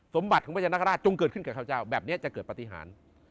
สมบัติของพญานาคาราชจงเกิดขึ้นกับข้าพเจ้าแบบนี้จะเกิดปฏิหาร